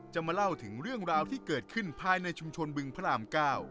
จะมาเล่าถึงเรื่องราวที่เกิดขึ้นภายในชุมชนบึงพระราม๙